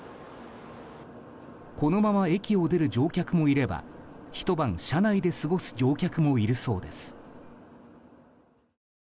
このまま駅を出る乗客もいればひと晩車内で過ごす乗客もいるそうです。